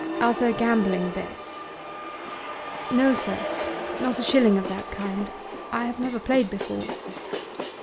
"Other gambling debts." "No, sir; not a shilling of that kind. I have never played before."